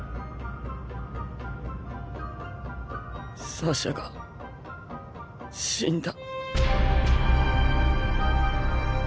サシャが死んだ。